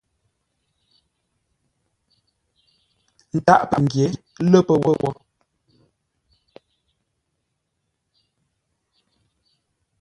Ntâʼ pəngyě lə́ pə́ wó.